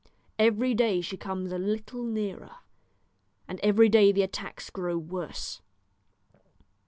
Every day she comes a little nearer, and every day the attacks grow worse.